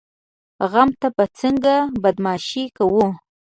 غم ته به څنګه بدماشي کوو؟